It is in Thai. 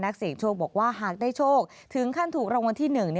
เสียงโชคบอกว่าหากได้โชคถึงขั้นถูกรางวัลที่๑